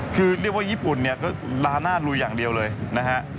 คือเรียกว่าญี่ปุ่นเนี่ยก็ลาหน้าลุยอย่างเดียวเลยนะฮะ